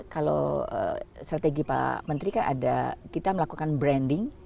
kalau strategi pak menteri kan ada kita melakukan branding